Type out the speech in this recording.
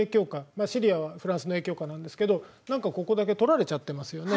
まあシリアはフランスの影響下なんですけど何かここだけ取られちゃってますよね。